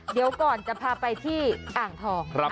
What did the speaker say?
เดี๋ยวก่อนจะพาไปที่อ่างทอง